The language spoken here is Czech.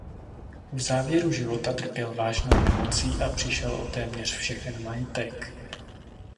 V závěru života trpěl vážnou nemocí a přišel o téměř všechen majetek.